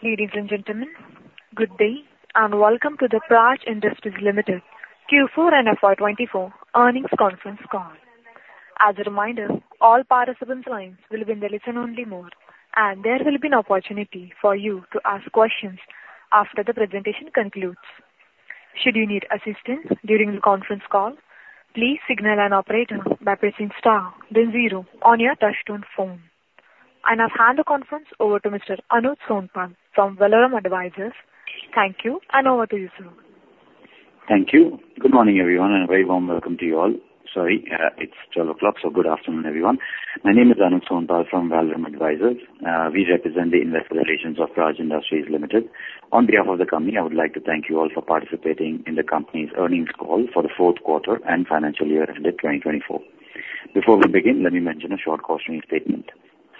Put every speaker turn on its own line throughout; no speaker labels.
Ladies and gentlemen good day and welcome to the Praj Industries Limited Q4 and FY 2024 earnings conference call. As a reminder all participants lines will be in the listen-only mode, and there will be an opportunity for you to ask questions after the presentation concludes. Should you need assistance during the conference call, please signal an operator by pressing star then zero on your touchtone phone. I now hand the conference over to Mr. Anuj Sonpal from Valorem Advisors. Thank you and over to you, sir.
Thank you. Good morning, everyone and a very warm welcome to you all. Sorry, it's 12:00 o'clock, so good afternoon, everyone. My name is Anuj Sonpal from Valorem Advisors. We represent the investor relations of Praj Industries Limited. On behalf of the company, I would like to thank you all for participating in the company's earnings call for the Q4 and financial year ended 2024. Before we begin, let me mention a short cautionary statement.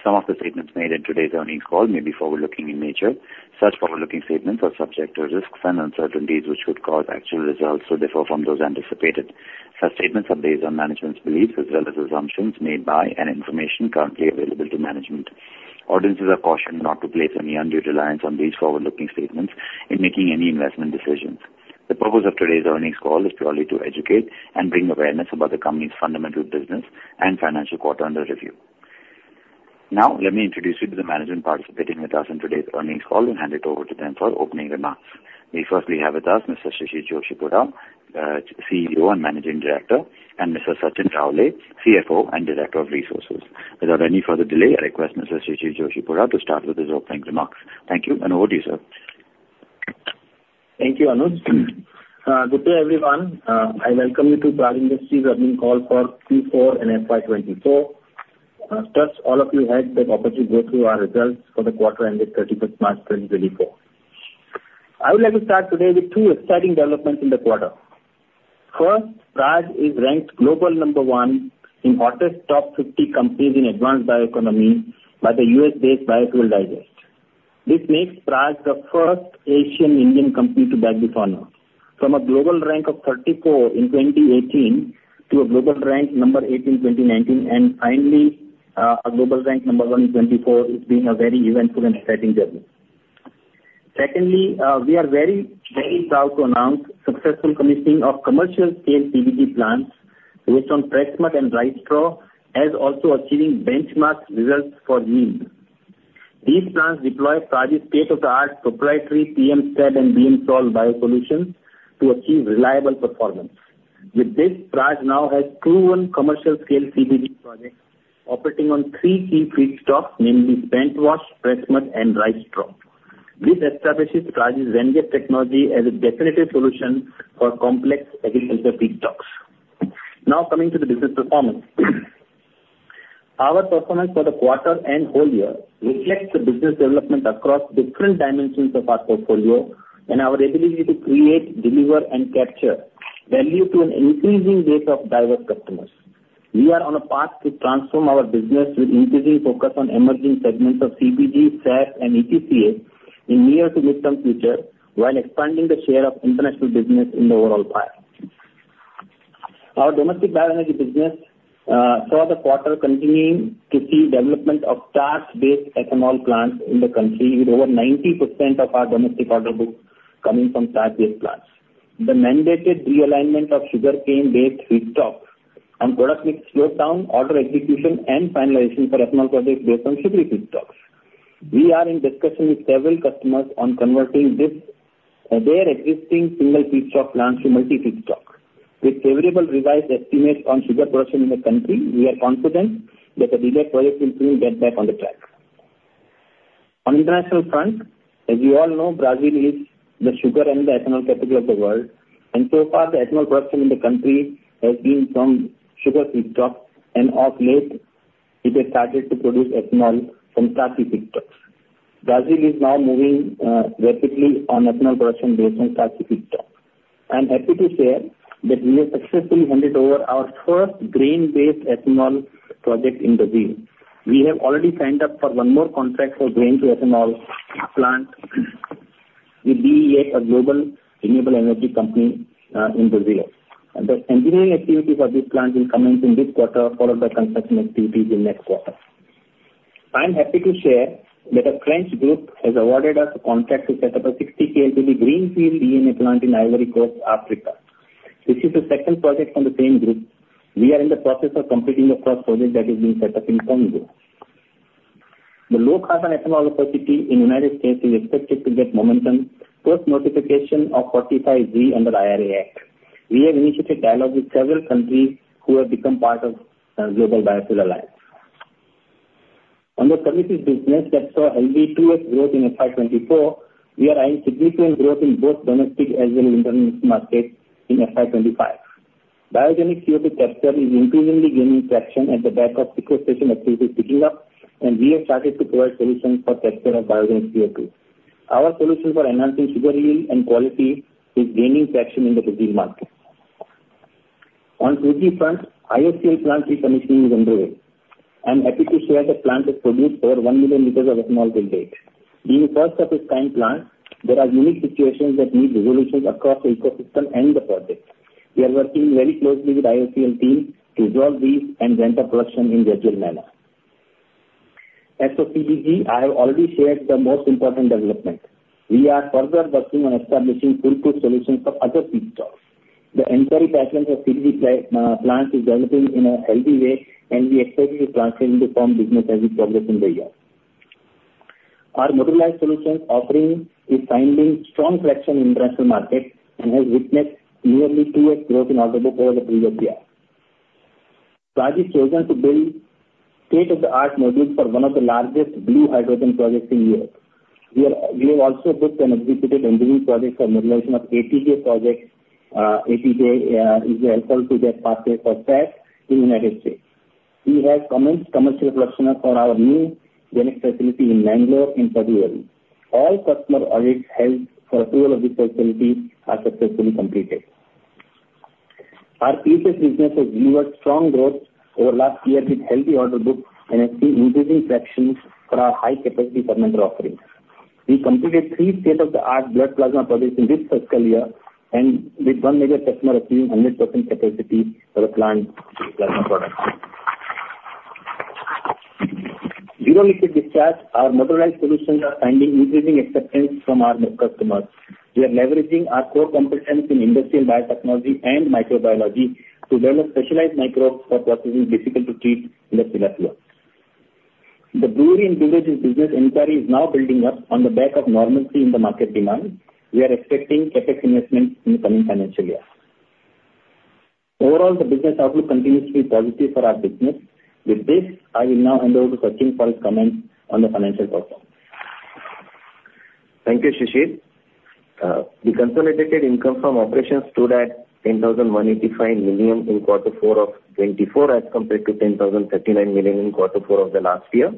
Some of the statements made in today's earnings call may be forward-looking in nature. Such forward-looking statements are subject to risks and uncertainties which could cause actual results to differ from those anticipated. Such statements are based on management's beliefs as well as assumptions made by and information currently available to management. Audiences are cautioned not to place any undue reliance on these forward-looking statements in making any investment decisions. The purpose of today's earnings call is purely to educate and bring awareness about the company's fundamental business and financial quarter under review. Now, let me introduce you to the management participating with us in today's earnings call and hand it over to them for opening remarks. We firstly have with us Mr. Shishir Joshipura, CEO and Managing Director, and Mr. Sachin Raole, CFO and Director of Resources. Without any further delay, I request Mr. Shishir Joshipura to start with his opening remarks. Thank you and over to you sir.
Thank you, Anuj. Good day, everyone. I welcome you to Praj Industries' earnings call for Q4 and FY 2024. First, all of you have the opportunity to go through our results for the quarter ended 31 March 2024. I would like to start today with two exciting developments in the quarter. First, Praj is ranked global number one in the 50 Hottest Companies in the Advanced Bioeconomy by the US-based Biofuels Digest. This makes Praj the first Asian Indian company to bag this honor. From a global rank of 34 in 2018 to a global rank number 8 in 2019, and finally, a global rank number 1 in 2024, it's been a very eventful and exciting journey. Secondly, we are very, very proud to announce successful commissioning of commercial-scale CBG plants based on pressmud and rice straw, as also achieving benchmark results for wheat. These plants deploy Praj's state-of-the-art proprietary PM-Stab and Bio-Trol biosolutions to achieve reliable performance. With this, Praj now has proven commercial-scale CBG projects operating on three key feedstock, namely, spentwash, pressmud, and rice straw. This establishes Praj's range of technology as a definitive solution for complex agricultural feedstocks. Now, coming to the business performance. Our performance for the quarter and whole year reflects the business development across different dimensions of our portfolio and our ability to create, deliver, and capture value to an increasing base of diverse customers. We are on a path to transform our business with increasing focus on emerging segments of CBG, SAF, and ETCA in near to midterm future, while expanding the share of international business in the overall pie. Our domestic bioenergy business saw the quarter continuing to see development of starch-based ethanol plants in the country, with over 90% of our domestic order book coming from starch-based plants. The mandated realignment of sugarcane-based feedstocks and product mix slowed down order execution and finalization for ethanol projects based on sugar feedstocks. We are in discussion with several customers on converting this, their existing single feedstock plants to multi-feedstock. With favorable revised estimates on sugar production in the country, we are confident that the delayed projects will soon get back on the track. On the international front, as you all know, Brazil is the sugar and the ethanol capital of the world, and so far, the ethanol production in the country has been from sugar feedstocks, and of late, it has started to produce ethanol from starchy feedstocks. Brazil is now moving rapidly on ethanol production based on starchy feedstock. I'm happy to share that we have successfully handed over our first grain-based ethanol project in Brazil. We have already signed up for one more contract for grain-to-ethanol plant with Be8, a global renewable energy company, in Brazil. The engineering activity for this plant will commence in this quarter, followed by construction activities in next quarter. I'm happy to share that a French group has awarded us a contract to set up a 60 KLPD greenfield ENA plant in Ivory Coast, Africa. This is the second project from the same group. We are in the process of completing the first project that is being set up in Congo. The low carbon ethanol opportunity in United States is expected to get momentum, post notification of 45Z under the IRA Act. We have initiated dialogue with several countries who have become part of global biofuel alliance. On the services business that saw only 2% growth in FY 2024, we are eyeing significant growth in both domestic as well as international markets in FY 2025. Biogenic CO2 capture is increasingly gaining traction at the back of sequestration activities picking up, and we have started to provide solutions for capture of biogenic CO2. Our solution for enhancing sugar yield and quality is gaining traction in the Brazil market. On fuel front, IOCL plant recommissioning is underway. I'm happy to share the plant has produced over 1 million liters of ethanol to date. Being a first-of-its-kind plant, there are unique situations that need resolutions across the ecosystem and the project... We are working very closely with IOCL team to resolve these and render production in a gradual manner. As for CBG, I have already shared the most important development. We are further working on establishing turnkey solutions for other feedstocks. The inquiry pattern for CBG plant is developing in a healthy way, and we expect to be partnering with the farm business as we progress in the year. Our modularized solutions offering is finding strong traction in international markets and has witnessed nearly 2x growth in order book over the previous year. Praj chosen to build state-of-the-art modules for one of the largest blue hydrogen projects in Europe. We have also booked and executed engineering projects for modularization of ATJ projects. ATJ is the alcohol-to-jet pathway for SAF in United States. We have commenced commercial production for our new greenfield facility in Bengaluru in February. All customer audits held for 2 of these facilities are successfully completed. Our PHS business has posted strong growth over last year with healthy order book and has seen increasing traction for our high-capacity fermenter offerings. We completed 3 state-of-the-art blood plasma projects in this fiscal year, and with one major customer achieving 100% capacity for the blood plasma product. Zero Liquid Discharge, our modularized solutions are finding increasing acceptance from our new customers. We are leveraging our core competence in industrial biotechnology and microbiology to develop specialized microbes for processing difficult to treat industrial effluents. The brewery and beverages business inquiry is now building up on the back of normalcy in the market demand. We are expecting CapEx investments in the coming financial year. Overall, the business outlook continues to be positive for our business. With this, I will now hand over to Sachin for his comments on the financial performance.
Thank you, Shishir. The consolidated income from operations stood at 10,185 million in quarter four of 2024, as compared to 10,039 million in quarter four of the last year.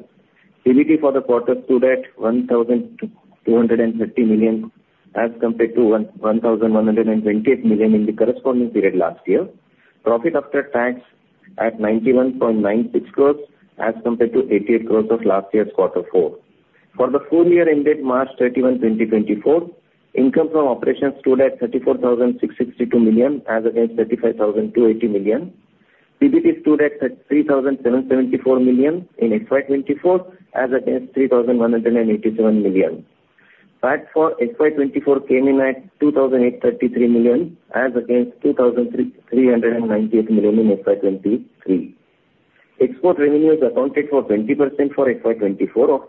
PBT for the quarter stood at 1,230 million, as compared to 1,128 million in the corresponding period last year. Profit after tax at 91.96 crores, as compared to 88 crores of last year's quarter four. For the full year ended March 31, 2024, income from operations stood at 34,662 million as against 35,280 million. PBT stood at 3,774 million in FY 2024, as against 3,187 million. PAT for FY 2024 came in at 2,833 million as against 2,398 million in FY 2023. Export revenues accounted for 20% for FY 2024.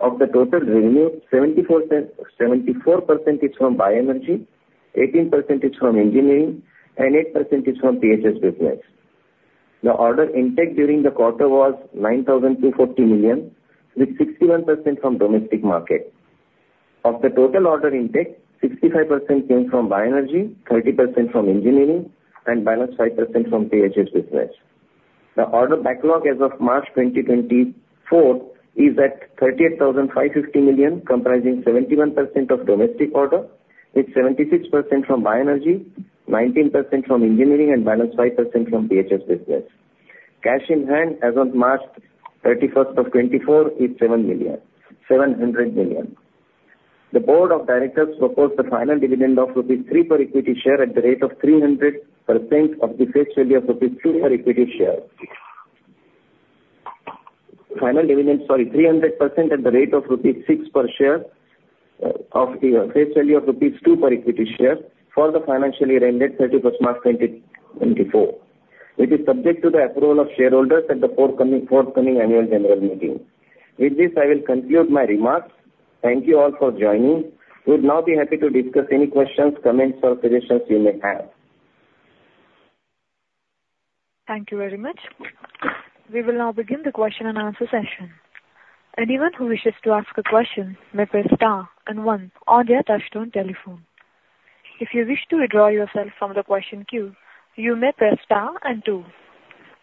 Of the total revenue, 74% is from bioenergy, 18% is from engineering, and 8% is from PHS business. The order intake during the quarter was 9,240 million, with 61% from domestic market. Of the total order intake, 65% came from bioenergy, 30% from engineering, and balance 5% from PHS business. The order backlog as of March 2024 is at 38,550 million, comprising 71% of domestic order, with 76% from bioenergy, 19% from engineering, and balance 5% from PHS business. Cash in hand as of March 31, 2024 is 7,700 million. The board of directors proposed a final dividend of rupees 3 per equity share at the rate of 300% of the face value of rupees 2 per equity share. Final dividend, sorry, 300% at the rate of rupees 6 per share, of the face value of rupees 2 per equity share for the financial year ended March 31, 2024. It is subject to the approval of shareholders at the forthcoming annual general meeting. With this, I will conclude my remarks. Thank you all for joining.
We'd now be happy to discuss any questions, comments, or suggestions you may have.
Thank you very much. We will now begin the question and answer session. Anyone who wishes to ask a question may press star and one on their touchtone telephone. If you wish to withdraw yourself from the question queue, you may press star and two.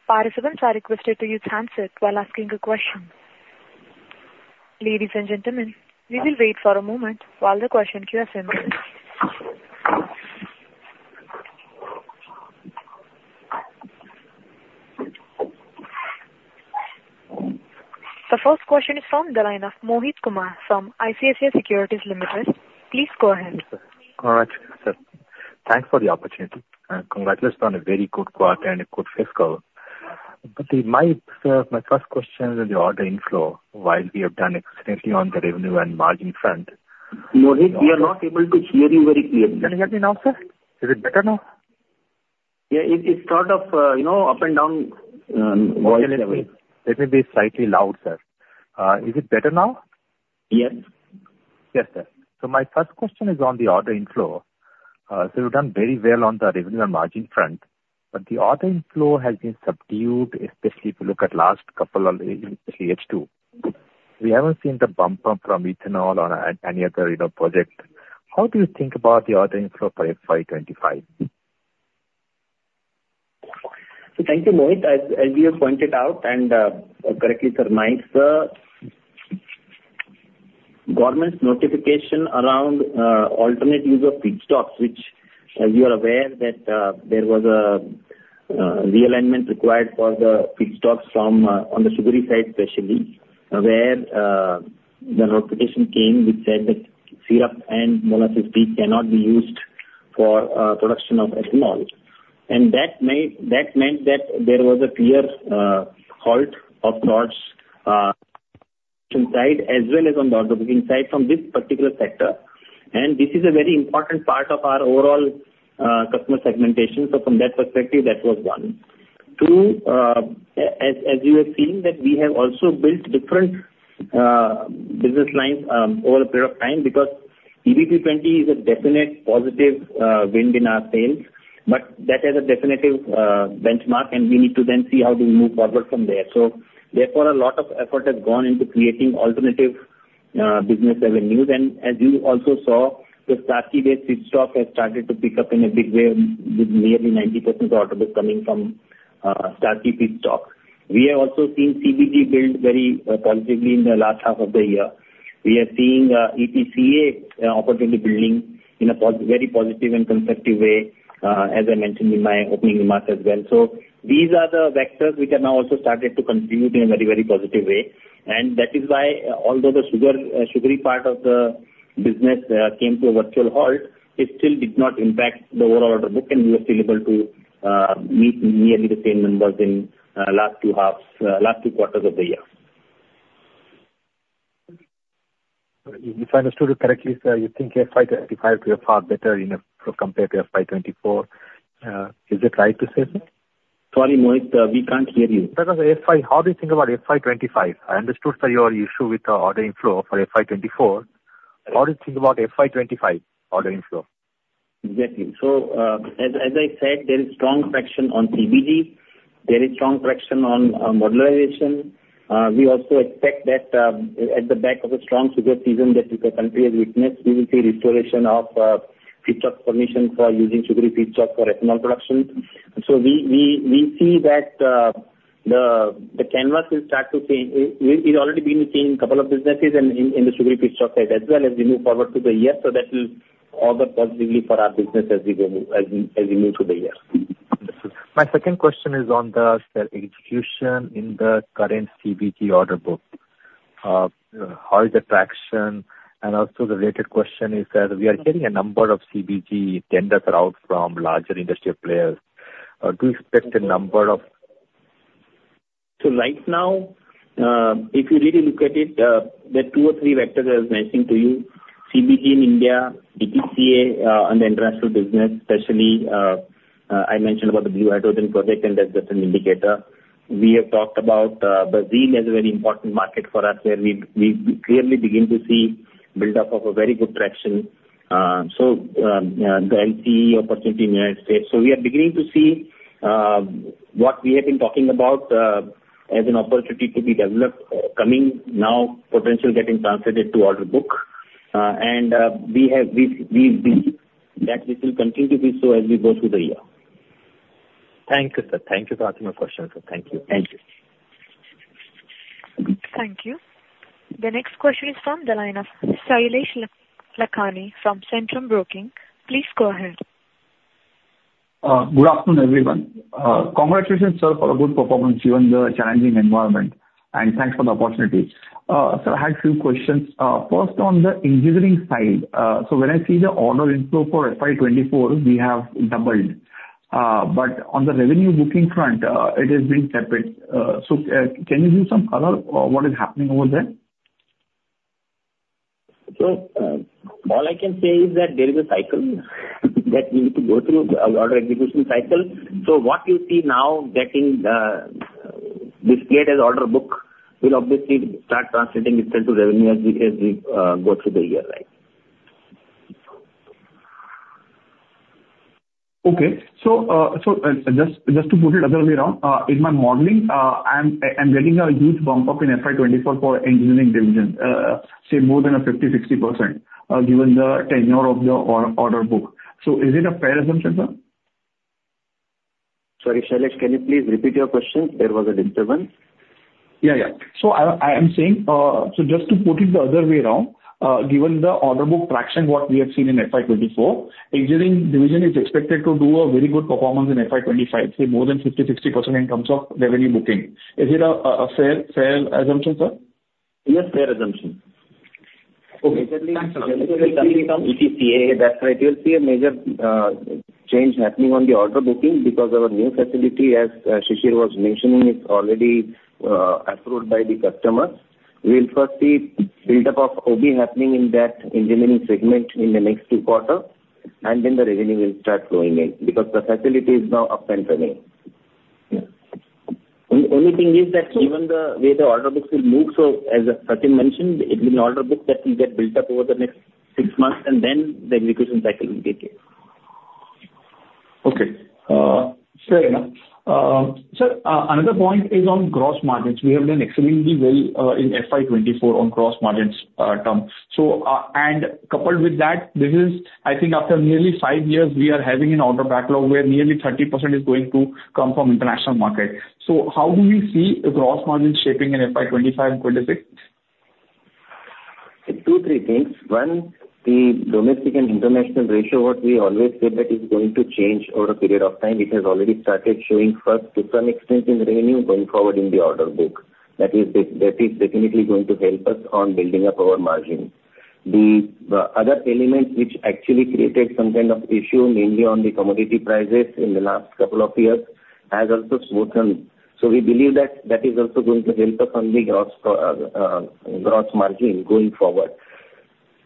Participants are requested to use handset while asking a question. Ladies and gentlemen, we will wait for a moment while the question queue assembles. The first question is from the line of Mohit Kumar from ICICI Securities Limited. Please go ahead.
My first question is on the order inflow. So you've done very well on the revenue and margin front, but the order inflow has been subdued, especially if you look at last couple of Q2. We haven't seen the bump up from ethanol or any other, you know, project. How do you think about the ordering flow for FY 25?
Thank you, Mohit. As you have pointed out and correctly surmised the government's notification around alternate use of feedstocks which as you are aware that there was a realignment required for the feedstocks from on the sugar side specially where the notification came which said that syrup and molasses feed cannot be used for production of ethanol and that made, that meant that there was a clear halt of sorts inside as well as outside from this particular sector. And this is a very important part of our overall customer segmentation. So from that perspective that was one. Two, as you have seen, that we have also built different business lines over a period of time, because EBP 20 is a definite positive wind in our sails. But that is a definitive benchmark, and we need to then see how do we move forward from there. So therefore, a lot of effort has gone into creating alternative business avenues. And as you also saw, the starchy-based feedstock has started to pick up in a big way, with nearly 90% of order book coming from starchy feedstock. We have also seen CBG build very positively in the last half of the year. We are seeing ETCA opportunity building in a very positive and constructive way, as I mentioned in my opening remarks as well. So these are the vectors which are now also started to contribute in a very, very positive way, and that is why, although the sugar, sugary part of the business, came to a virtual halt, it still did not impact the overall order book, and we were still able to meet nearly the same numbers in last two halves, last two quarters of the year.
If I understood you correctly, sir, you think FY25 will be far better compared to FY24. Is it right to say so?
Sorry, Mohit, we can't hear you.
Sorry, FY, how do you think about FY 25? I understood, sir, your issue with the order inflow for FY 24. How do you think about FY 25 order inflow?
Exactly. So, as I said, there is strong traction on CBG, there is strong traction on modularization. We also expect that, at the back of a strong sugar season that the country has witnessed, we will see restoration of pit stock permission for using sugary feedstock for ethanol production. So we see that, the canvas will start to change. We've already been seeing couple of businesses in the sugary feedstock as well as we move forward through the year, so that will order positively for our business as we go, as we move through the year.
My second question is on the sales execution in the current CBG order book. How is the traction? And also the related question is that we are getting a number of CBG tenders out from larger industrial players. Do you expect the number of-
So right now, if you really look at it, there are two or three vectors I was mentioning to you. CBG in India, ETCA, on the international business especially, I mentioned about the blue hydrogen project, and that's just an indicator. We have talked about Brazil as a very important market for us, where we clearly begin to see build up of a very good traction. So, the LCE opportunity in the United States. So we are beginning to see what we have been talking about as an opportunity to be developed, coming now, potentially getting translated to order book. And we believe that this will continue to be so as we go through the year.
Thank you, sir. Thank you for answering my question, sir. Thank you.
Thank you.
Thank you. The next question is from the line of Shailesh Lakhani from Centrum Broking. Please go ahead.
Good afternoon, everyone. Congratulations, sir, for a good performance during the challenging environment, and thanks for the opportunity. So I had a few questions. First, on the engineering side, so when I see the order inflow for FY 2024, we have doubled. But on the revenue booking front, it has been separate. So, can you give some color on what is happening over there?
So, all I can say is that there is a cycle that we need to go through, order execution cycle. So what you see now getting, displayed as order book, will obviously start translating itself to revenue as we, as we, go through the year, right?
Okay. So, just to put it other way around, in my modeling, I'm getting a huge bump up in FY 2024 for engineering division, say more than 50-60%, given the tenure of your order book. So is it a fair assumption, sir?
Sorry, Shailesh, can you please repeat your question? There was a disturbance.
Yeah, yeah. So I am saying, so just to put it the other way around, given the order book traction, what we have seen in FY 2024, engineering division is expected to do a very good performance in FY 2025, say more than 50%-60% in terms of revenue booking. Is it a fair assumption, sir?
Yes, fair assumption.
Okay....
ETCA, that's right. You'll see a major change happening on the order booking, because our new facility, as Shishir was mentioning, is already approved by the customers. We'll first see build-up of OB happening in that engineering segment in the next 2 quarters, and then the revenue will start flowing in, because the facility is now up and running. Yeah. One only thing is that given the way the order books will move, so as Sachin mentioned, it will be an order book that will get built up over the next 6 months, and then the execution cycle will take care.
Okay. Fair enough. Sir, another point is on gross margins. We have done exceedingly well in FY 2024 on gross margins term. So, and coupled with that, this is, I think after nearly five years, we are having an order backlog where nearly 30% is going to come from international market. So how do you see the gross margin shaping in FY 2025 and 2026?...
Two or three things. One, the domestic and international ratio, what we always said that is going to change over a period of time. It has already started showing first to some extent in revenue going forward in the order book. That is that is definitely going to help us on building up our margin. The other element which actually created some kind of issue, mainly on the commodity prices in the last couple of years, has also smoothened. So we believe that that is also going to help us on the gross gross margin going forward.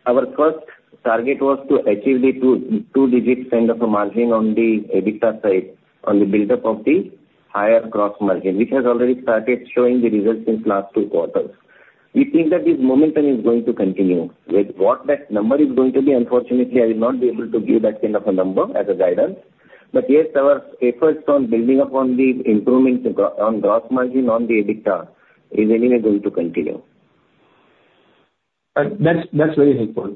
Our first target was to achieve the two-digit kind of a margin on the EBITDA side, on the buildup of the higher gross margin, which has already started showing the results in last two quarters. We think that this momentum is going to continue. With what that number is going to be, unfortunately, I will not be able to give that kind of a number as a guidance. But yes, our efforts on building upon the improvements on gross margin on the EBITDA is anyway going to continue.
That's very helpful.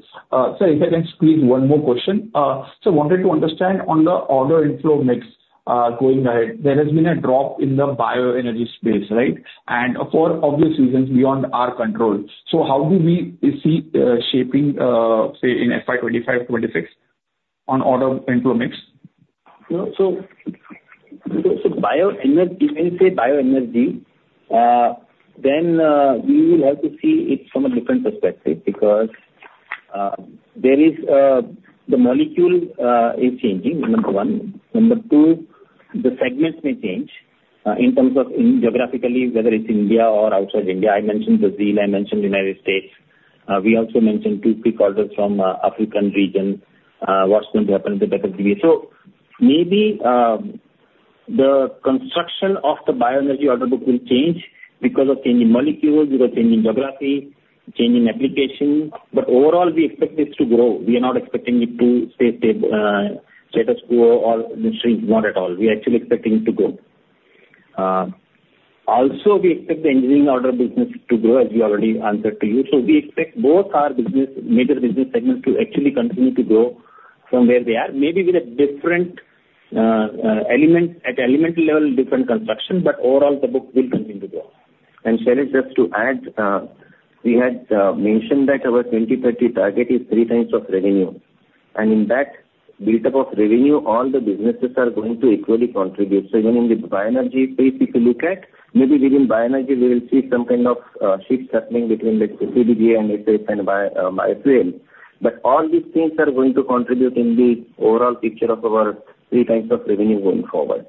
Sir, if I can squeeze one more question. So wanted to understand on the order inflow mix going ahead. There has been a drop in the bioenergy space, right? For obvious reasons, beyond our control. So how do we see shaping, say, in FY 25, 26, on order inflow mix?
So, bioenergy, when you say bioenergy, then we will have to see it from a different perspective, because there is the molecule is changing, number one. Number two, the segments may change in terms of geographically, whether it's India or outside India. I mentioned Brazil, I mentioned United States. We also mentioned 2, 3 quarters from African region, what's going to happen in the in the in the... So maybe, the construction of the bioenergy order book will change because of changing molecules, because changing geography, changing application, but overall, we expect this to grow. We are not expecting it to stay, say, status quo or shrink. Not at all. We are actually expecting to grow. Also, we expect the engineering order business to grow, as we already answered to you. So we expect both our business, major business segments to actually continue to grow from where they are. Maybe with a different, element, at the element level, different construction, but overall, the book will continue to grow. And Shailesh, just to add, we had mentioned that our 2030 target is three times of revenue, and in that buildup of revenue, all the businesses are going to equally contribute. So even in the bioenergy space, if you look at, maybe within bioenergy, we will see some kind of, shift happening between let's say, CBG and HEFA and bio, biofuel. But all these things are going to contribute in the overall picture of our three times of revenue going forward.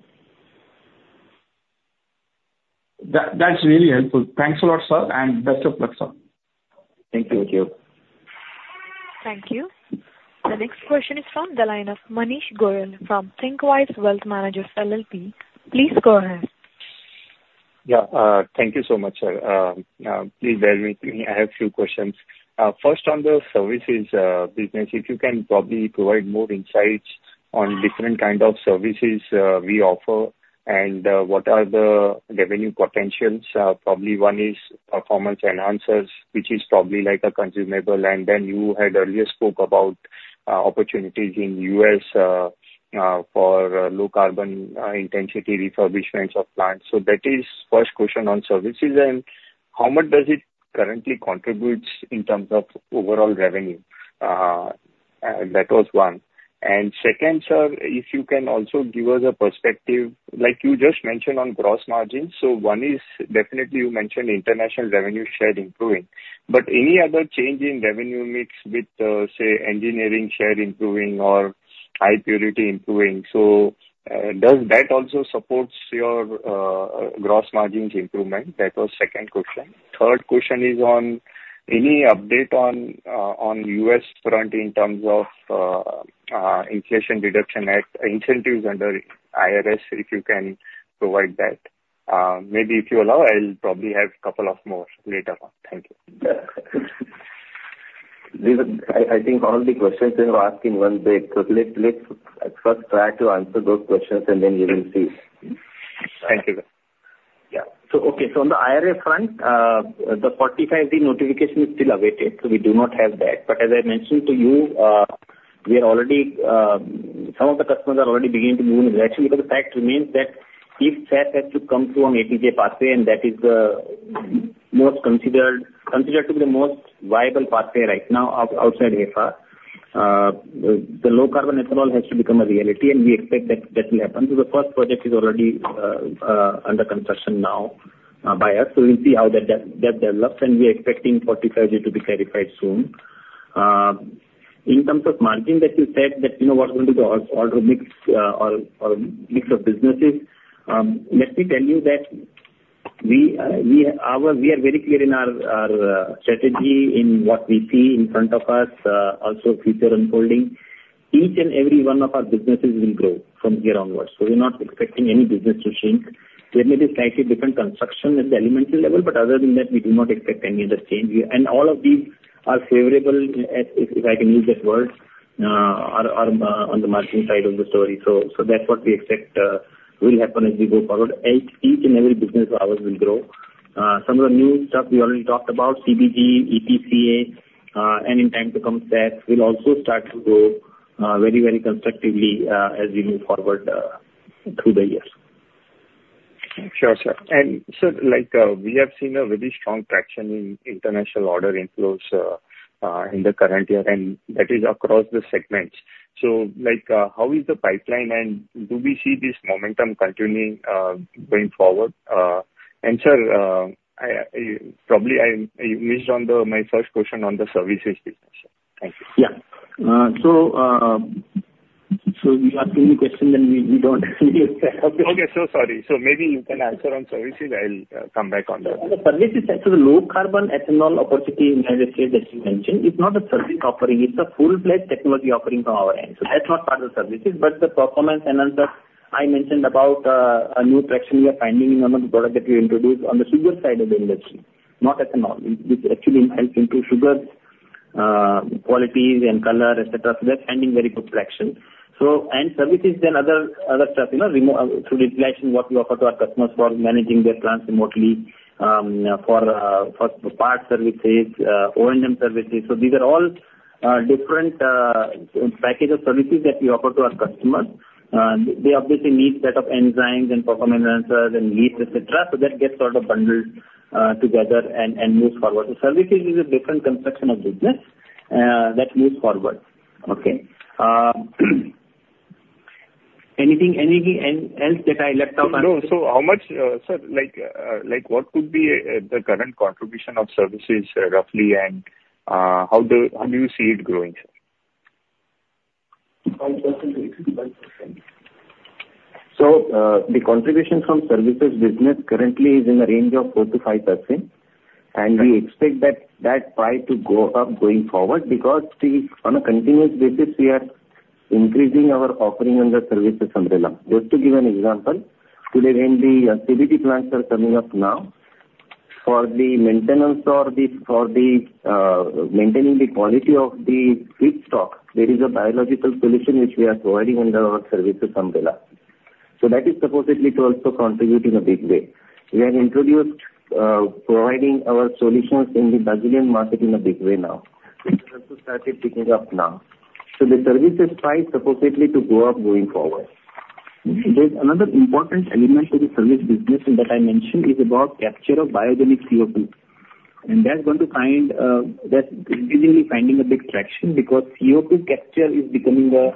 That, that's really helpful. Thanks a lot, sir, and best of luck, sir.
Thank you. Thank you.
Thank you. The next question is from the line of Manish Goyal from Thinkwise Wealth Managers LLP. Please go ahead.
Yeah. Thank you so much, sir. Please bear with me. I have a few questions. First, on the services business, if you can probably provide more insights on different kind of services we offer, and what are the revenue potentials? Probably one is performance enhancers, which is probably like a consumable. And then you had earlier spoke about opportunities in U.S. for low carbon intensity refurbishments of plants. So that is first question on services. And how much does it currently contributes in terms of overall revenue? That was one. And second, sir, if you can also give us a perspective, like you just mentioned on gross margins. So one is definitely you mentioned international revenue share improving, but any other change in revenue mix with say, engineering share improving or high purity improving? Does that also support your gross margins improvement? That was second question. Third question is on any update on the U.S. front in terms of Inflation Reduction Act incentives under the IRA, if you can provide that. Maybe if you allow, I'll probably have a couple more later on. Thank you.
Yeah. These are... I think all the questions you are asking one by one. So let's first try to answer those questions and then we will see.
Thank you.
Yeah. So, okay, so on the IRA front, the 45-day notification is still awaited, so we do not have that. But as I mentioned to you, we are already, some of the customers are already beginning to move, actually, because the fact remains that if SAF has to come through an ATJ pathway, and that is, most considered to be the most viable pathway right now outside HEFA. The low carbon ethanol has to become a reality, and we expect that that will happen. So the first project is already under construction now, by us. So we'll see how that develops, and we are expecting 45-day to be clarified soon. In terms of margin that you said, that you know what's going to be the order mix, or mix of businesses, let me tell you that we, we are very clear in our strategy, in what we see in front of us, also future unfolding. Each and every one of our businesses will grow from here onwards, so we're not expecting any business to shrink. There may be slightly different construction at the elementary level, but other than that, we do not expect any other change. All of these are favorable, if I can use that word, on the margin side of the story. That's what we expect will happen as we go forward. Each and every business of ours will grow. Some of the new stuff we already talked about, CBG, ETCA, and in time to come, that will also start to grow, very, very constructively, as we move forward, through the years....
Sure, sir. And sir, like, we have seen a very strong traction in international order inflows, in the current year, and that is across the segments. So, like, how is the pipeline, and do we see this momentum continuing, going forward? And sir, I probably missed my first question on the services discussion. Thank you.
Yeah. So you are asking the question, and we don't.
Okay. So sorry. So maybe you can answer on services. I'll come back on that.
The services, so the low carbon ethanol opportunity in United States that you mentioned, it's not a service offering, it's a full-fledged technology offering from our end. So that's not part of the services. But the performance analysis I mentioned about, a new traction we are finding among the product that we introduced on the sugar side of the industry, not ethanol. It actually helps into sugar quality and color, et cetera, so they're finding very good traction. So, and services, then other, other stuff, you know, remote through the inflation, what we offer to our customers for managing their plants remotely, for parts services, O&M services. So these are all different package of services that we offer to our customers. They obviously need set of enzymes and performance enhancers and yeast, et cetera, so that gets sort of bundled together and moves forward. So services is a different construction of business that moves forward. Okay? Anything, anything else that I left out on-
No. So how much, sir, like, like, what could be the current contribution of services roughly, and how do you see it growing, sir?
So, the contribution from services business currently is in the range of 4%-5%, and we expect that share to go up going forward because we, on a continuous basis, we are increasing our offering under services umbrella. Just to give an example, today, when the CBG plants are coming up now, for the maintenance or the, for the, maintaining the quality of the feedstock, there is a biological solution which we are providing under our services umbrella. So that is supposedly to also contribute in a big way. We have introduced providing our solutions in the Brazilian market in a big way now. This has also started picking up now. So the services share supposedly to go up going forward. There's another important element to the service business, and that I mentioned, is about capture of biogenic CO2. That's really finding a big traction because CO2 capture is becoming a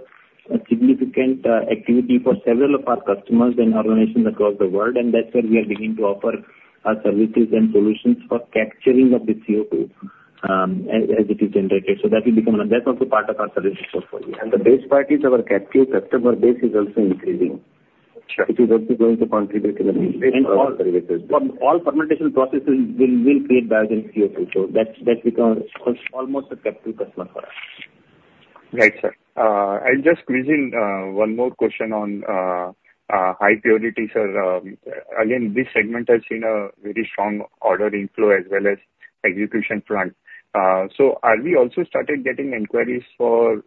significant activity for several of our customers and organizations across the world. And that's where we are beginning to offer our services and solutions for capturing of the CO2 as it is integrated. So that will become, that's also part of our services portfolio. The best part is our captive customer base is also increasing.
Sure.
It is also going to contribute in a big way for our services. All fermentation processes will create Biogenic CO2, so that becomes almost a captive customer for us.
Right, sir. I'll just squeeze in one more question on high purity, sir. Again, this segment has seen a very strong order inflow as well as execution front. So are we also started getting inquiries for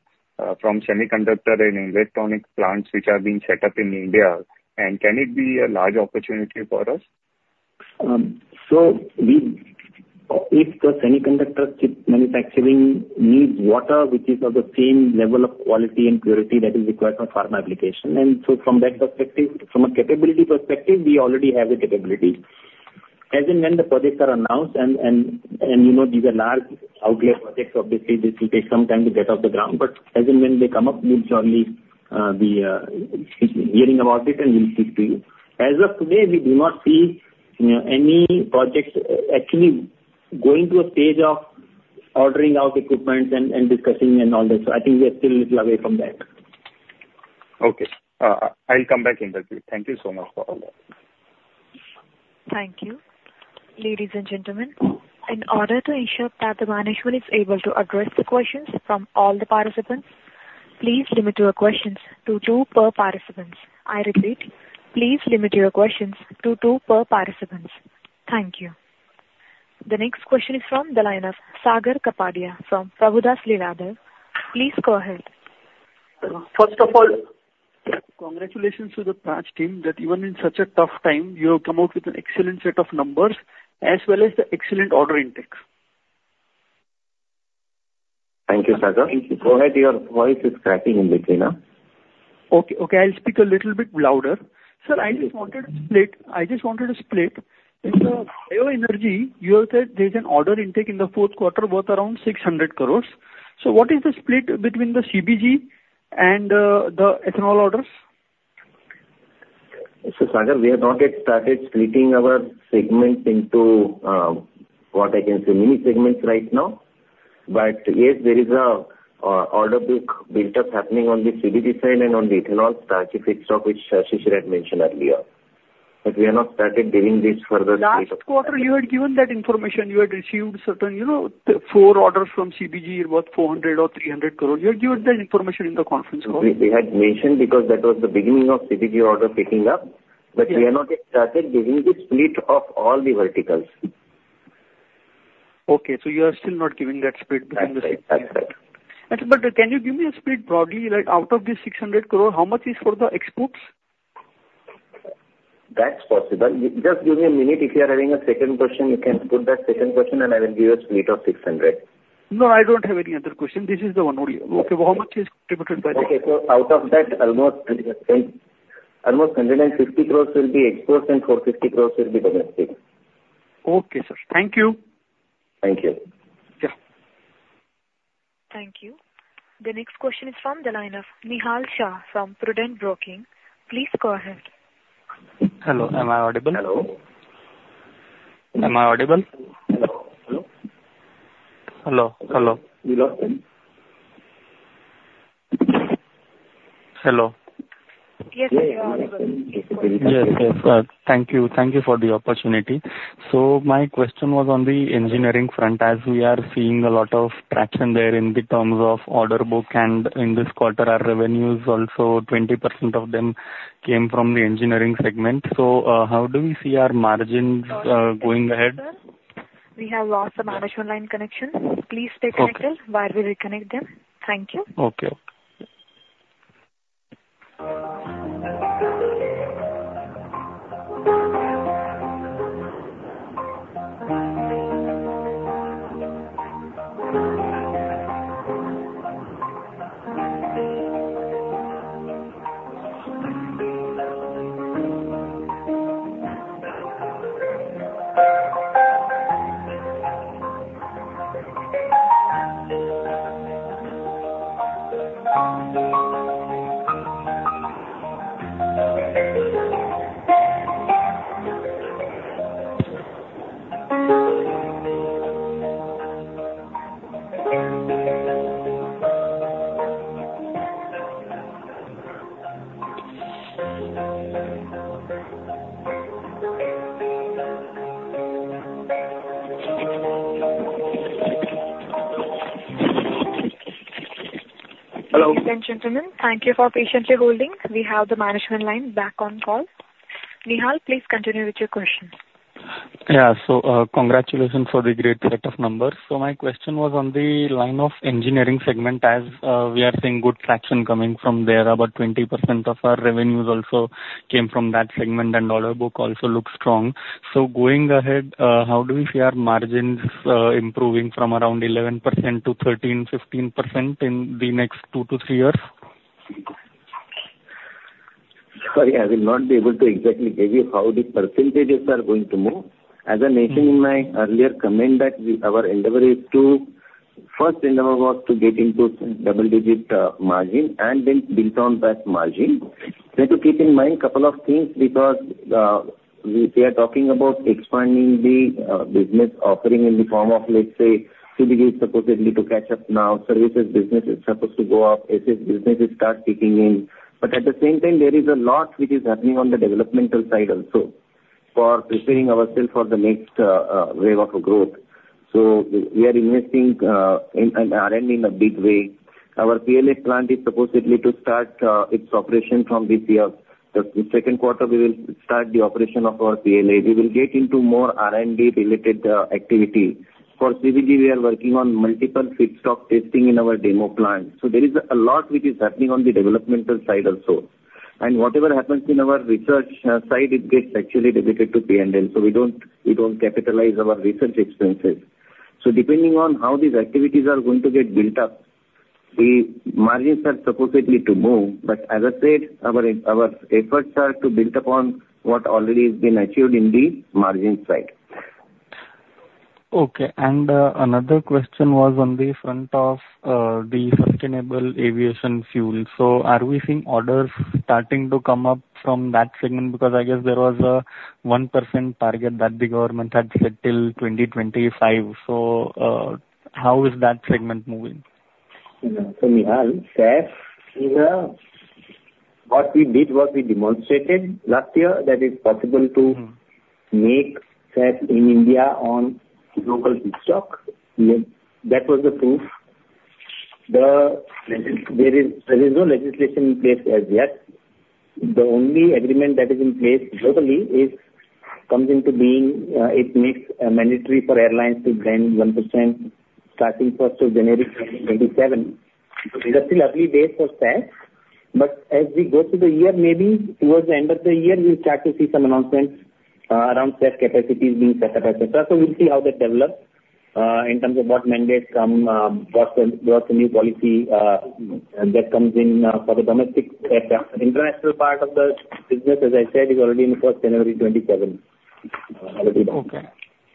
from semiconductor and electronic plants which are being set up in India, and can it be a large opportunity for us?
So, if the semiconductor chip manufacturing needs water, which is of the same level of quality and purity that is required for pharma application. And so from that perspective, from a capability perspective, we already have a capability. As and when the projects are announced and, you know, these are large outlet projects, obviously this will take some time to get off the ground, but as and when they come up, we'll surely be hearing about it, and we'll speak to you. As of today, we do not see, you know, any projects actually going to a stage of ordering out equipments and discussing and all that. So I think we are still a little away from that.
Okay. I'll come back in touch with you. Thank you so much for all that.
Thank you. Ladies and gentlemen, in order to ensure that the management is able to address the questions from all the participants, please limit your questions to two per participants. I repeat, please limit your questions to two per participants. Thank you. The next question is from the line of Sagar Kapadia from Prabhudas Lilladher. Please go ahead.
First of all, congratulations to the Praj team that even in such a tough time, you have come out with an excellent set of numbers as well as the excellent order intakes.
Thank you, Sagar.
Thank you.
Go ahead, your voice is cracking in between now.
Okay, okay, I'll speak a little bit louder. Sir, I just wanted to split-
Yeah.
In the bioenergy, you have said there's an order intake in the Q4 worth around 600 crore. So what is the split between the CBG and the ethanol orders?
So, Sagar, we have not yet started splitting our segments into, what I can say, mini segments right now. But yes, there is a order book built up happening on the CBG side and on the ethanol starchy feedstock which, Shishir had mentioned earlier. But we have not started giving this further split of-
Last quarter you had given that information. You had received certain, you know, 4 orders from CBG worth 400 crore or 300 crore. You had given that information in the conference call.
We had mentioned because that was the beginning of CBG order picking up.
Yeah.
But we have not yet started giving the split of all the verticals.
Okay, so you are still not giving that split between the inaudible?
That's right. That's right.
But can you give me a split broadly, like, out of the 600 crore, how much is for the exports?
That's possible. Just give me a minute. If you are having a second question, you can put that second question, and I will give you a split of 600....
No, I don't have any other question. This is the one only. Okay, how much is contributed by that?
Okay. So out of that, almost 210 crore, almost 150 crore will be export, and 450 crore will be domestic.
Okay, sir. Thank you.
Thank you.
Yeah.
Thank you. The next question is from the line of Nihal Shah from Prudent Broking. Please go ahead.
Hello, am I audible?
Hello.
Am I audible?
Hello? Hello.
Hello, hello.
You lost him?
Hello.
Yes, we hear you. Please go ahead.
Yes, yes. Thank you. Thank you for the opportunity. So my question was on the engineering front, as we are seeing a lot of traction there in terms of order book, and in this quarter, our revenues also, 20% of them came from the engineering segment. So, how do we see our margins going ahead?
We have lost the management line connection. Please stay connected.
Okay.
While we reconnect them. Thank you.
Okay, okay.
Ladies and gentlemen, thank you for patiently holding. We have the management line back on call. Nihal, please continue with your question.
Yeah. Congratulations for the great set of numbers. My question was on the line of engineering segment, as we are seeing good traction coming from there. About 20% of our revenues also came from that segment, and order book also looks strong. Going ahead, how do we see our margins improving from around 11% to 13%-15% in the next two to three years?
Sorry, I will not be able to exactly tell you how the percentages are going to move. As I mentioned in my earlier comment, that we, our endeavor is to... First endeavor was to get into s- double-digit margin and then build on that margin. You have to keep in mind a couple of things because, we, we are talking about expanding the, business offering in the form of, let's say, CBG supposedly to catch up now. Services business is supposed to go up as the businesses start kicking in. But at the same time, there is a lot which is happening on the developmental side also, for preparing ourselves for the next, wave of growth. So we are investing, in, in R&D in a big way. Our PLA plant is supposedly to start, its operation from this year.
The Q2, we will start the operation of our PLA. We will get into more R&D-related activity. For CBG, we are working on multiple feedstock testing in our demo plant. So there is a lot which is happening on the developmental side also. And whatever happens in our research side, it gets actually debited to P&L, so we don't, we don't capitalize our research expenses. So depending on how these activities are going to get built up, the margins are supposedly to move, but as I said, our efforts are to build upon what already has been achieved in the margin side.
Okay. And, another question was on the front of, the sustainable aviation fuel. So are we seeing orders starting to come up from that segment? Because I guess there was a 1% target that the government had said till 2025. So, how is that segment moving?
So, Nihal, SAF is a... What we did was we demonstrated last year that it's possible to- make SAF in India on global feedstock. Yeah, that was the proof. There is, there is no legislation in place as yet. The only agreement that is in place globally is, comes into being, it makes it mandatory for airlines to blend 1% starting January 1, 2027. So these are still early days for SAF, but as we go through the year, maybe towards the end of the year, we'll start to see some announcements around SAF capacities being set up as well. So we'll see how that develops in terms of what mandates come, what, what's the new policy that comes in for the domestic SAF. The international part of the business, as I said, is already in January 1, 2027.
Okay.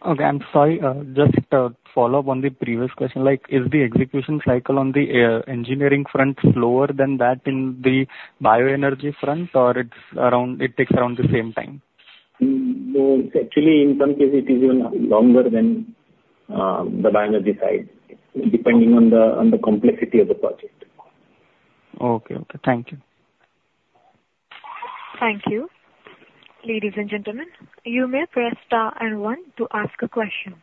Okay, and sorry, just a follow-up on the previous question. Like, is the execution cycle on the engineering front slower than that in the bioenergy front, or it's around, it takes around the same time?
No, actually, in some cases, it is even longer than the bioenergy side, depending on the complexity of the project.
Okay. Okay, thank you.
Thank you. Ladies and gentlemen, you may press star and one to ask a question.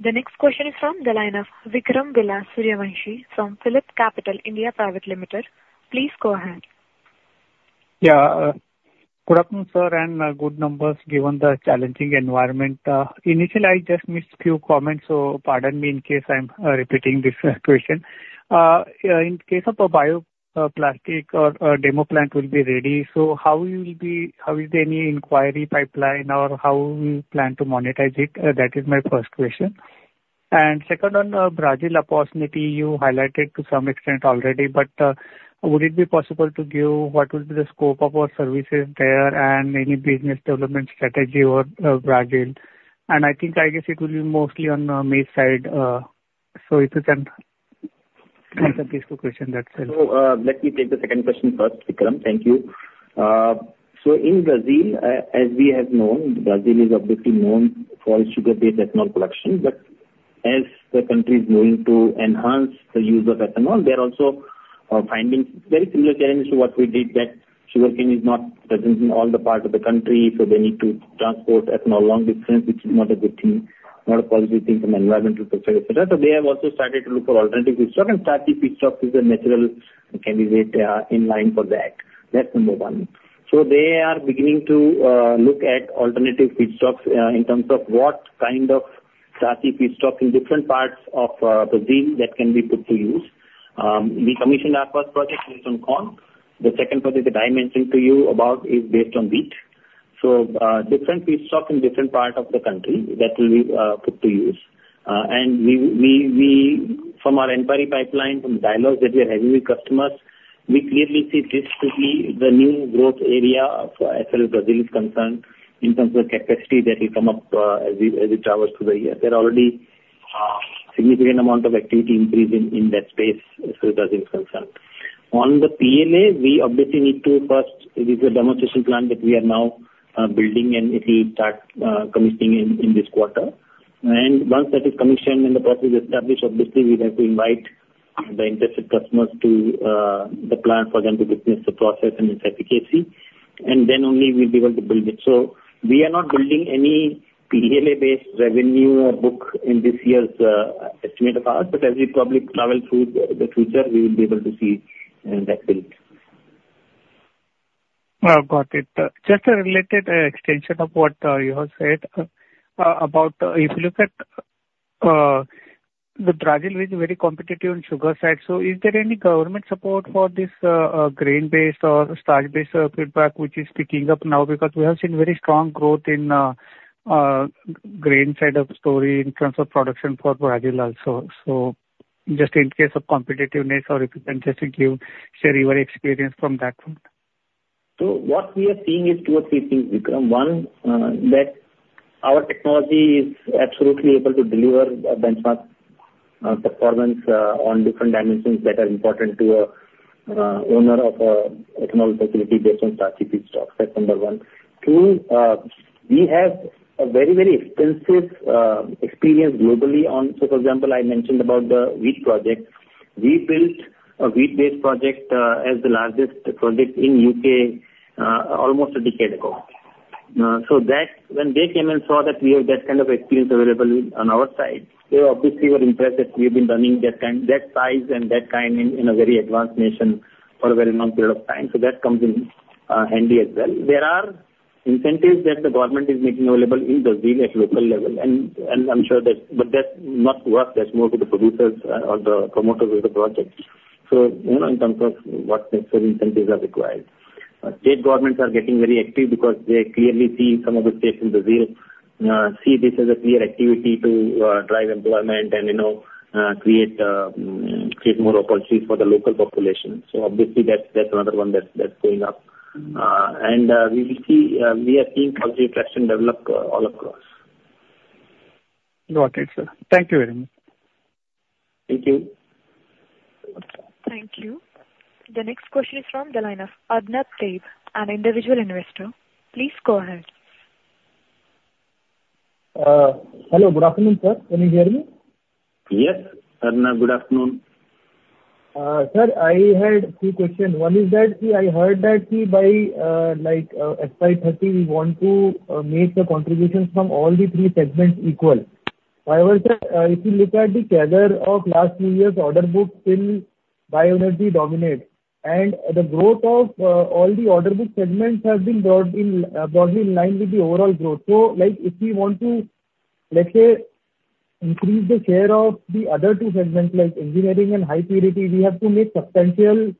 The next question is from the line of Vikram Suryavanshi from PhillipCapital India Private Limited. Please go ahead.
Yeah. Good afternoon, sir, and good numbers given the challenging environment. Initially, I just missed few comments, so pardon me in case I'm repeating this question. In case of a bio-plastic or demo plant will be ready, so how will be... How is there any inquiry pipeline or how we plan to monetize it? That is my first question. And second, on Brazil opportunity, you highlighted to some extent already, but would it be possible to give what would be the scope of our services there and any business development strategy on Brazil? And I think, I guess it will be mostly on maize side. So if you can answer this two question, that's it.
So, let me take the second question first, Vikram. Thank you. So in Brazil, as we have known, Brazil is obviously known for its sugar-based ethanol production, but as the country is going to enhance the use of ethanol, they're also finding very similar challenges to what we did, that sugarcane is not present in all the parts of the country, so they need to transport ethanol long distance, which is not a good thing, not a positive thing from an environmental perspective. So they have also started to look for alternative feedstock, and starchy feedstock is a natural candidate in line for that. That's number one. So they are beginning to look at alternative feedstocks in terms of what kind of starchy feedstock in different parts of Brazil that can be put to use. We commissioned our first project based on corn. The second project that I mentioned to you about is based on wheat. So, different feedstock in different parts of the country that will be put to use. And we from our inquiry pipeline, from the dialogues that we are having with customers, we clearly see this to be the new growth area for as far as Brazil is concerned, in terms of capacity that will come up, as we travel through the year. There are already significant amount of activity increase in that space as far as Brazil is concerned. On the PLA, we obviously need to first... It is a demonstration plant that we are now building, and it will start commissioning in this quarter. Once that is commissioned and the process is established, obviously, we have to invite the interested customers to the plant for them to witness the process and its efficacy, and then only we'll be able to build it. So we are not building any PLA-based revenue or book in this year's estimate apart, but as we probably travel through the future, we will be able to see that build.
Got it. Just a related extension of what you have said about if you look at the Brazil is very competitive on sugar side, so is there any government support for this grain-based or starch-based feedback, which is picking up now? Because we have seen very strong growth in grain side of story in terms of production for Brazil also. So just in case of competitiveness or if you can just give, share your experience from that point.
So what we are seeing is two or three things, Vikram. One, that our technology is absolutely able to deliver a benchmark performance on different dimensions that are important to an owner of an ethanol facility based on starchy feedstock. That's number one. Two, we have a very, very extensive experience globally on. So for example, I mentioned about the wheat project. We built a wheat-based project as the largest project in U.K., almost a decade ago. So that, when they came and saw that we have that kind of experience available on our side, they obviously were impressed that we've been running that kind, that size and that kind in a very advanced nation for a very long period of time. So that comes in handy as well. There are incentives that the government is making available in Brazil at local level. I'm sure that, but that's not work, that's more to the producers or the promoters of the project. So, you know, in terms of what incentives are required. State governments are getting very active because they clearly see some of the states in Brazil see this as a clear activity to drive employment and, you know, create more opportunities for the local population. So obviously, that's another one that's going up. We will see, we are seeing positive traction develop all across.
Got it, sir. Thank you very much.
Thank you.
Thank you. The next question is from the line of Arnab Dave, an individual investor. Please go ahead.
Hello, good afternoon, sir. Can you hear me?
Yes, Arnab, good afternoon.
Sir, I had 2 questions. One is that, I heard that by, like, FY 30, we want to make the contributions from all the 3 segments equal. However, sir, if you look at the data of last few years, order books in bioenergy dominate, and the growth of all the order book segments has been brought in line with the overall growth. So like, if we want to, let's say, increase the share of the other two segments, like engineering and high purity, we have to make substantial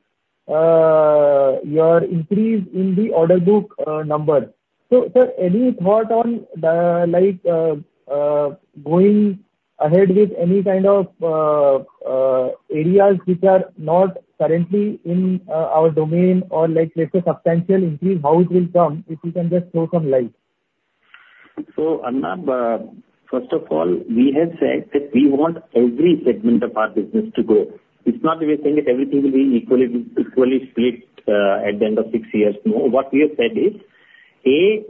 year-on-year increase in the order book number. So, sir, any thought on the, like, going ahead with any kind of areas which are not currently in our domain or like, let's say, substantial increase, how it will come, if you can just throw some light?
So Arnab, first of all, we have said that we want every segment of our business to grow. It's not that we are saying that everything will be equally, equally split, at the end of six years. No. What we have said is, A,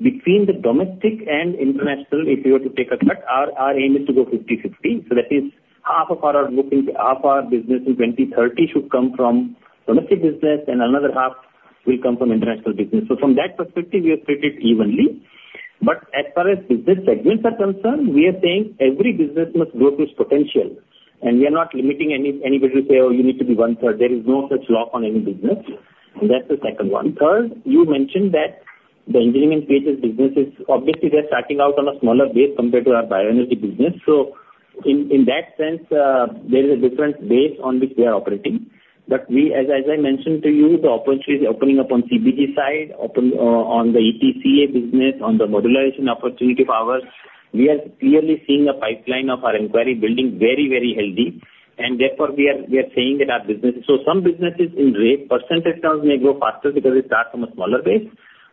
between the domestic and international, if you were to take a cut, our, our aim is to go 50/50. So that is half of our bookings, half our business in 2030 should come from domestic business, and another half will come from international business. So from that perspective, we have treated evenly. But as far as business segments are concerned, we are saying every business must grow to its potential, and we are not limiting any, anybody to say, "Oh, you need to be 1/3." There is no such lock on any business, and that's the second one. Third, you mentioned that the engineering services business is obviously starting out on a smaller base compared to our bioenergy business. So in that sense, there is a different base on which we are operating. But we, as I mentioned to you, the opportunities opening up on CBG side, on the ETCA business, on the modularization opportunity for ours. We are clearly seeing a pipeline of our inquiry building very, very healthy, and therefore, we are saying that our business. So some businesses in rate, percentage terms may grow faster because they start from a smaller base.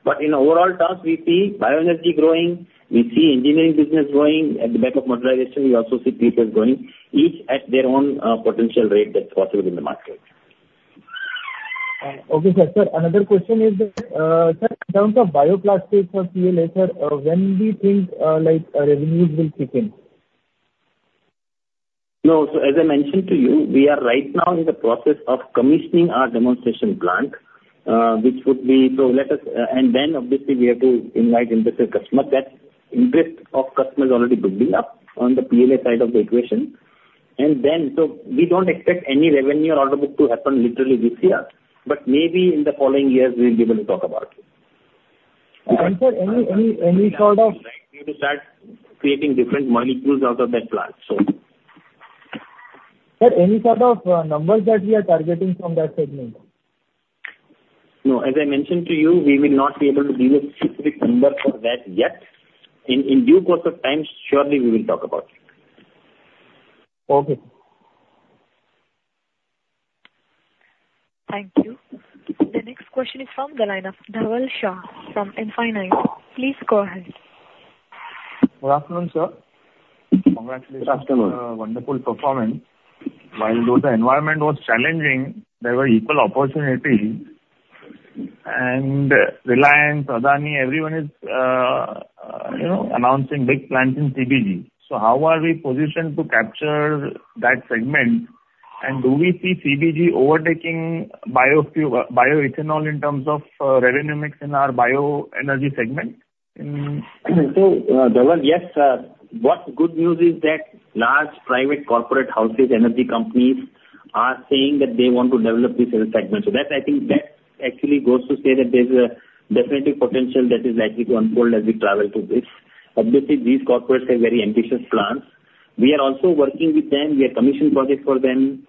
But in overall terms, we see bioenergy growing, we see engineering business growing. At the back of modularization, we also see PHS growing, each at their own potential rate that's possible in the market.
Okay, sir. Sir, another question is that, sir, in terms of bioplastics for PLA, sir, when do you think, like, revenues will kick in?
No, so as I mentioned to you, we are right now in the process of commissioning our demonstration plant. And then, obviously, we have to invite industry customer. That interest of customer is already building up on the PLA side of the equation. And then, so we don't expect any revenue or order book to happen literally this year, but maybe in the following years, we'll be able to talk about it.
Sir, any sort of-
Likely to start creating different molecules out of that plant, so.
Sir, any sort of numbers that we are targeting from that segment?
No, as I mentioned to you, we will not be able to give a specific number for that yet. In due course of time, surely we will talk about it.
Okay.
Thank you. The next question is from the line of Dhaval Shah from InCred Capital. Please go ahead.
Good afternoon, sir. Congratulations on wonderful performance. While though the environment was challenging, there were equal opportunities. And Reliance, Adani, everyone is, you know, announcing big plans in CBG. So how are we positioned to capture that segment? And do we see CBG overtaking biofuel, bioethanol in terms of revenue mix in our bioenergy segment?
So, Dhaval, yes, what good news is that large private corporate houses, energy companies, are saying that they want to develop this in segment. So that, I think, that actually goes to say that there's a definitive potential that is likely to unfold as we travel through this. Obviously, these corporates have very ambitious plans. We are also working with them. We have commissioned projects for them.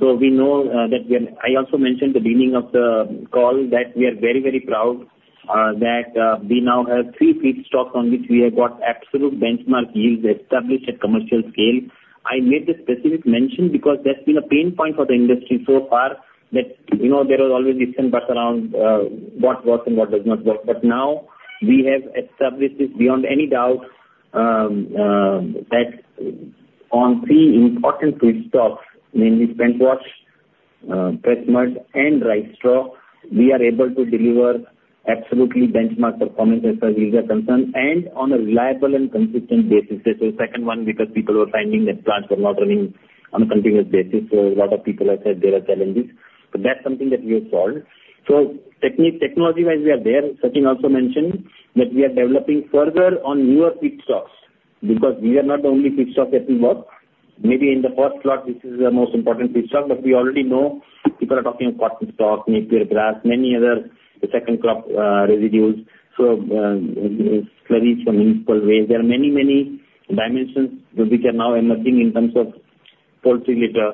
So we know that we are. I also mentioned the beginning of the call, that we are very, very proud that we now have three feedstock on which we have got absolute benchmark yields established at commercial scale. I made this specific mention because that's been a pain point for the industry so far, that, you know, there was always ifs and buts around what works and what does not work. But now we have established this beyond any doubt that on three important feedstocks, namely spent wash, pressmud, and rice straw, we are able to deliver absolutely benchmark performance as far as yields are concerned, and on a reliable and consistent basis. So second one, because people were finding that plants were not running on a continuous basis, so a lot of people have said there are challenges. So that's something that we have solved. So technology-wise, we are there. Sachin also mentioned that we are developing further on newer feedstocks, because these are not the only feedstock that will work. Maybe in the first slot, this is the most important feedstock, but we already know people are talking cotton stalk, napier grass, many other second crop residues. So, slurries from equal waste. There are many, many dimensions which are now emerging in terms of pulp regulator.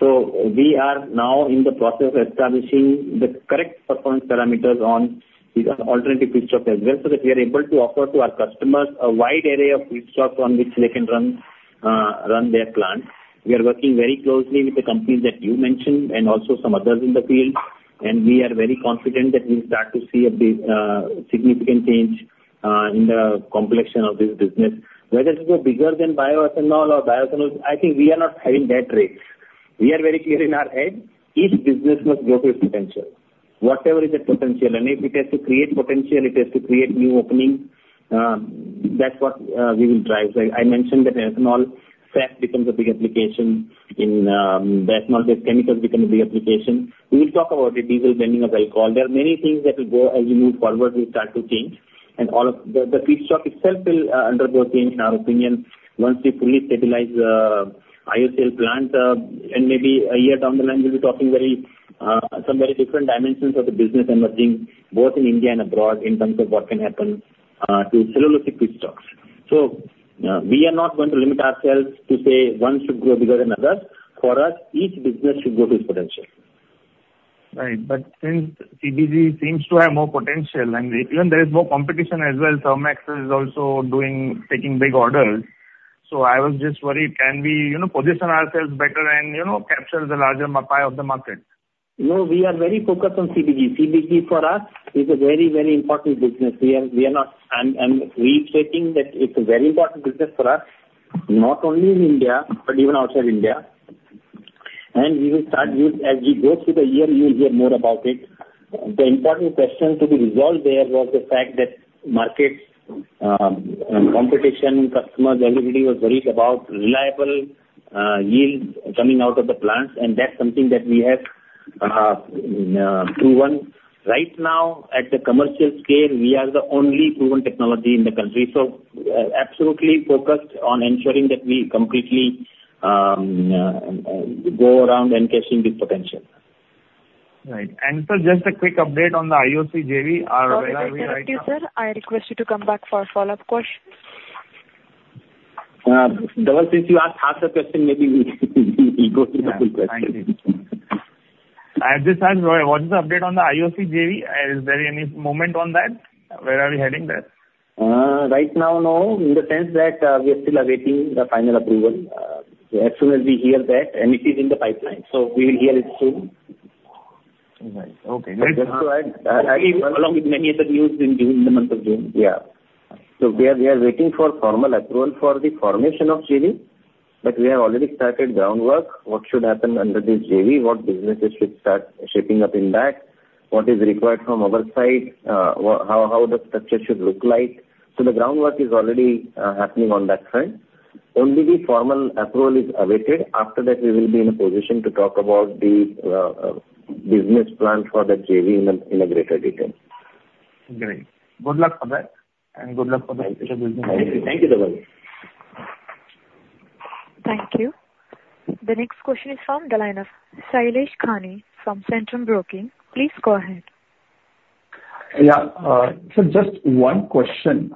So we are now in the process of establishing the correct performance parameters on these alternative feedstock as well, so that we are able to offer to our customers a wide array of feedstock from which they can run their plant. We are working very closely with the companies that you mentioned and also some others in the field, and we are very confident that we'll start to see a big, significant change in the complexion of this business. Whether it will go bigger than bioethanol or bioethanol, I think we are not having that race. We are very clear in our head, each business must grow to its potential, whatever is its potential. And if it has to create potential, it has to create new opening, that's what we will drive. So I, I mentioned that ethanol SAF becomes a big application in the ethanol-based chemicals become a big application. We will talk about the diesel blending, as I call. There are many things that will go as we move forward, will start to change. And all of the, the feedstock itself will undergo change, in our opinion, once we fully stabilize IOCL plant. And maybe a year down the line, we'll be talking very some very different dimensions of the business emerging, both in India and abroad, in terms of what can happen to cellulosic feedstocks. So we are not going to limit ourselves to say one should grow bigger than another. For us, each business should go to its potential.
Right. But since CBG seems to have more potential, and even there is more competition as well, Thermax is also doing, taking big orders. So I was just worried, can we, you know, position ourselves better and, you know, capture the larger pie of the market?
No, we are very focused on CBG. CBG for us is a very, very important business. I'm reiterating that it's a very important business for us, not only in India, but even outside India. And we will start with, as we go through the year, you'll hear more about it. The important question to be resolved there was the fact that markets, competition, customers, everybody was worried about reliable yield coming out of the plants, and that's something that we have proven. Right now, at the commercial scale, we are the only proven technology in the country. So, absolutely focused on ensuring that we completely go around unleashing this potential.
Right. And so, just a quick update on the IOC JV. Are we right now-
Thank you, sir. I request you to come back for a follow-up question....
since you asked half the question, maybe we'll go to the full question.
Yeah. Thank you. At this time, what is the update on the IOC JV? Is there any movement on that? Where are we heading there?
Right now, no, in the sense that, we are still awaiting the final approval. As soon as we hear that, and it is in the pipeline, so we will hear it soon.
All right. Okay.
Just to add- Along with many other news during the month of June.
Yeah. So we are waiting for formal approval for the formation of JV, but we have already started groundwork, what should happen under the JV, what businesses should start shaping up in that, what is required from our side, how the structure should look like. So the groundwork is already happening on that front. Only the formal approval is awaited. After that, we will be in a position to talk about the business plan for the JV in greater detail.
Great. Good luck for that, and good luck for the future business.
Thank you, Dhaval
Thank you. The next question is from the line of Shailesh Lakhani from Centrum Broking. Please go ahead.
Yeah. So just one question,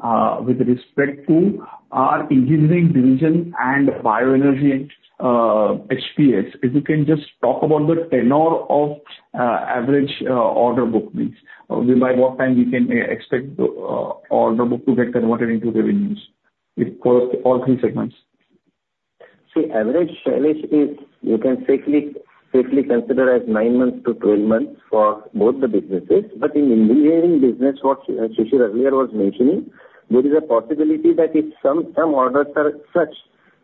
with respect to our engineering division and bioenergy and PHS. If you can just talk about the tenure of average order bookings. By what time we can expect the order book to get converted into revenues with for all three segments?
So average, Shailesh, is you can safely, safely consider as 9-12 months for both the businesses. But in engineering business, what Shishir earlier was mentioning, there is a possibility that if some, some orders are such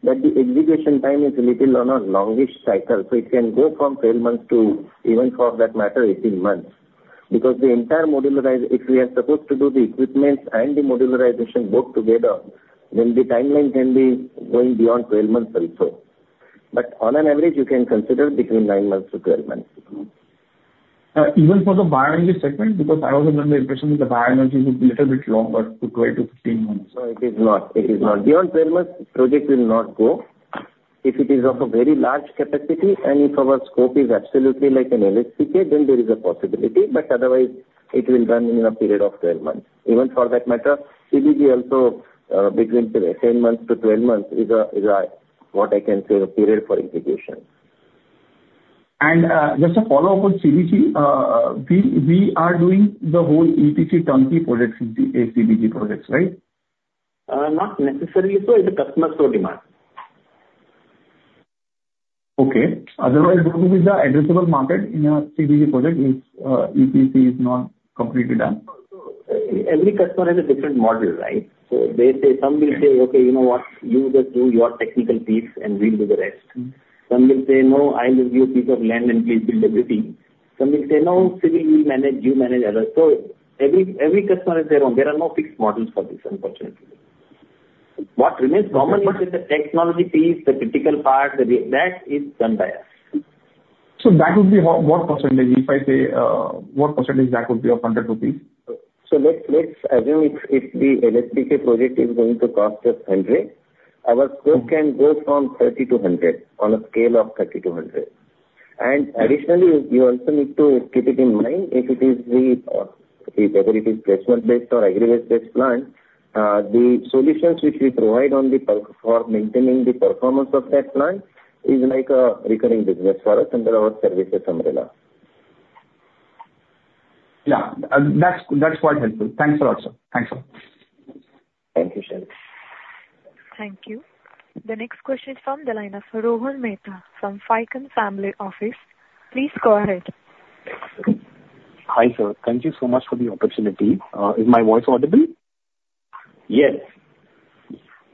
that the execution time is a little on a longish cycle, so it can go from 12 months to even, for that matter, 18 months. Because the entire modularized, if we are supposed to do the equipments and the modularization both together, then the timeline can be going beyond 12 months also. But on an average, you can consider between 9-12 months.
Even for the bioenergy segment? Because I was under the impression that the bioenergy is a little bit longer, to 12-15 months.
No, it is not. It is not. Beyond 12 months, project will not go. If it is of a very large capacity, and if our scope is absolutely like an LSTK, then there is a possibility, but otherwise it will run in a period of 12 months. Even for that matter, CBG also, between 10-12 months is a, is a, what I can say, a period for execution.
Just a follow-up on CBG. We are doing the whole EPC turnkey projects in the CBG projects, right?
Not necessarily. So it's a customer's own demand.
Okay. Otherwise, what will be the addressable market in a CBG project if EPC is not completely done?
So, every customer has a different model, right? So they say, some will say: "Okay, you know what? You just do your technical piece, and we'll do the rest. Some will say: "No, I will give you a piece of land, and please build everything." Some will say, "No, CBG, we manage, you manage others." So every, every customer is their own. There are no fixed models for this, unfortunately. What remains common is that the technology piece, the critical part, that is done by us.
So that would be what, what percentage, if I say, what percentage that would be of 100 rupees?
So let's assume if the LSTK project is going to cost us 100, our scope can go from 30 to 100, on a scale of 30 to 100. And additionally, you also need to keep it in mind, if it is the whether it is pressmud-based or agri-waste-based plant, the solutions which we provide on top for maintaining the performance of that plant is like a recurring business for us, under our services umbrella.
Yeah. That's, that's quite helpful. Thanks a lot, sir. Thanks a lot.
Thank you, Shailesh.
Thank you. The next question is from the line of Rohan Mehta from Ficom Family Office. Please go ahead.
Thanks.
Hi, sir. Thank you so much for the opportunity. Is my voice audible?
Yes.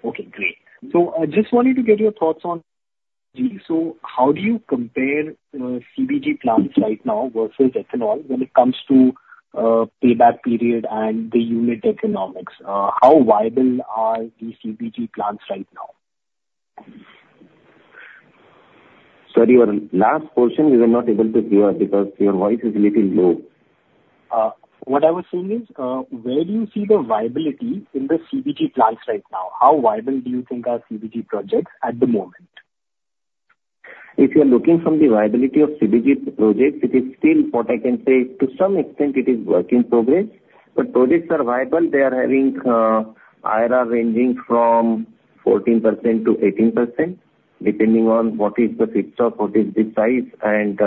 Okay, great. So I just wanted to get your thoughts on CBG. So how do you compare CBG plants right now versus ethanol when it comes to payback period and the unit economics? How viable are the CBG plants right now?
Sorry, your last question we were not able to hear, because your voice is little low.
What I was saying is, where do you see the viability in the CBG plants right now? How viable do you think are CBG projects at the moment?
If you are looking from the viability of CBG projects, it is still, what I can say, to some extent it is work in progress. But projects are viable. They are having IRR ranging from 14%-18%, depending on what is the mixture, what is the size, and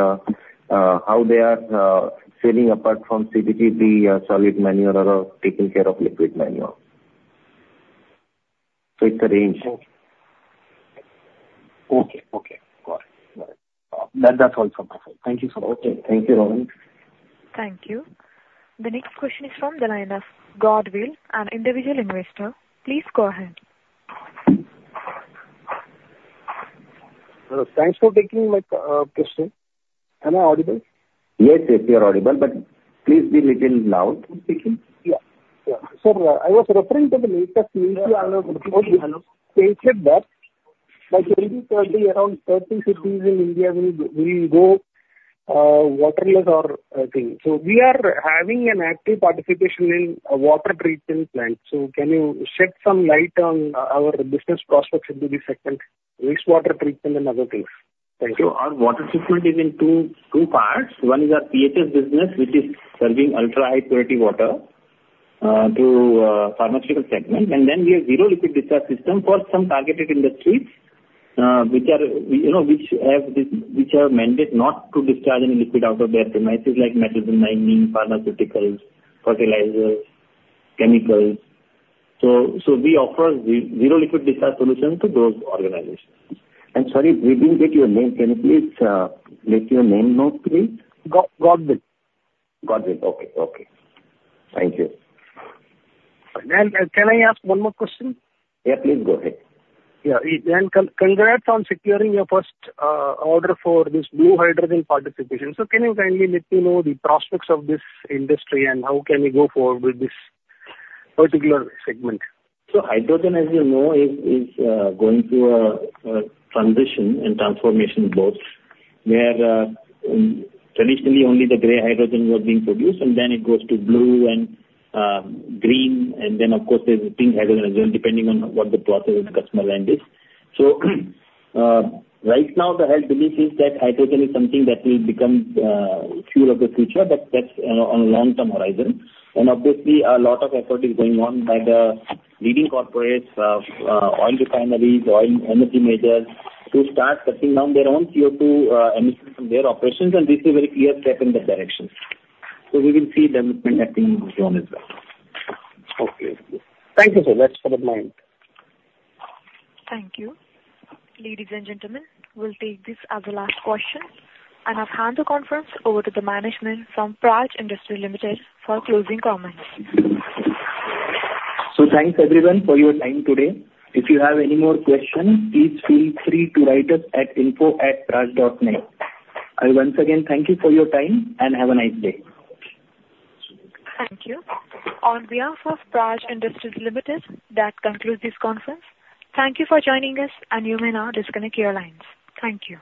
how they are selling apart from CBG, the solid manure or taking care of liquid manure. So it's a range.
Okay. Okay, okay. Got it. Got it. That, that's all from my side. Thank you so much.
Okay. Thank you, Rohan.
Thank you. The next question is from the line of Godwin, an individual investor. Please go ahead.
Hello. Thanks for taking my question. Am I audible?
Yes, yes, you are audible, but please be a little loud.
Yeah. Yeah. So I was referring to the latest news you all stated that by 2030, around 30 cities in India will, will go waterless or thing. So we are having an active participation in a water treatment plant. So can you shed some light on our business prospects into the second wastewater treatment and other things? Thank you.
So our water treatment is in two parts. One is our PHS business, which is serving ultrahigh purity water to pharmaceutical segment, and then we have zero liquid discharge system for some targeted industries, which are, you know, which have, which are mandated not to discharge any liquid out of their premises, like metals and mining, pharmaceuticals, fertilizers, chemicals. So we offer zero liquid discharge solution to those organizations. And sorry, we didn't get your name. Can you please let us know your name, please?
Godwin.
Okay. Thank you.
And can I ask one more question?
Yeah, please go ahead.
Yeah, and congrats on securing your first order for this blue hydrogen participation. So can you kindly let me know the prospects of this industry and how can we go forward with this particular segment?
So hydrogen, as you know, is going through a transition and transformation both, where traditionally only the gray hydrogen was being produced and then it goes to blue and green, and then of course there's pink hydrogen as well, depending on what the process of the customer land is. So right now the whole belief is that hydrogen is something that will become fuel of the future, but that's on a long-term horizon. And obviously a lot of effort is going on by the leading corporates, oil refineries, oil energy majors, to start cutting down their own CO2 emissions from their operations, and this is a very clear step in that direction. So we will see them connecting more as well.
Okay. Thank you, sir. That's for my end.
Thank you. Ladies and gentlemen, we'll take this as the last question, and I'll hand the conference over to the management from Praj Industries Limited for closing comments.
Thanks, everyone, for your time today. If you have any more questions, please feel free to write us at info@praj.net. I once again thank you for your time, and have a nice day.
Thank you. On behalf of Praj Industries Limited, that concludes this conference. Thank you for joining us, and you may now disconnect your lines. Thank you.